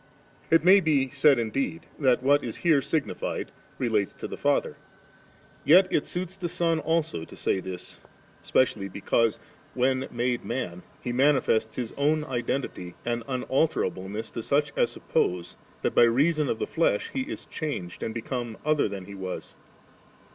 It may be said indeed that what is here signified relates to the Father; yet it suits the Son also to say this, specially because, when made man. He manifests His own identity and unalter ableness to such as suppose that by reason of die flesh He is changed and become other than He was.